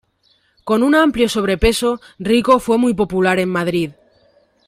Con un amplio sobrepeso, Rico fue muy popular en Madrid.